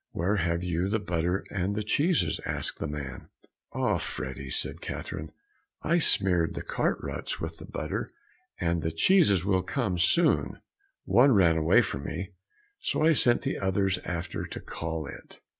"Where have you the butter and the cheeses?" asked the man. "Ah, Freddy," said Catherine, "I smeared the cart ruts with the butter and the cheeses will come soon; one ran away from me, so I sent the others after to call it."